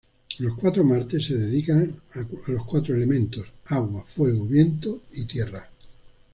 Los cuatro martes se dedican a los cuatro elementos: agua, fuego, viento y tierra.